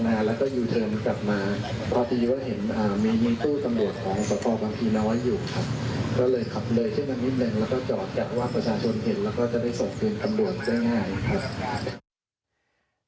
แล้วก็จะไปส่งสินคำดูกได้ง่าย